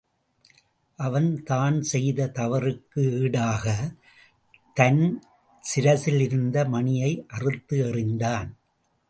அவன் தான் செய்த தவறுக்கு ஈடாகத் தன் சிரசில் இருந்த மணியை அறுத்து எறிந்தான்.